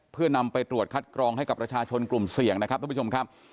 เพื่อนำไปตรวจคัดกรองให้กับประชาชนกลุ่มเสี่ยงนะครับทุกผู้ชมครับ